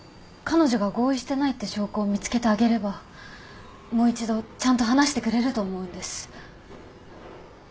彼女が合意してないって証拠を見つけてあげればもう一度ちゃんと話してくれると思うんです。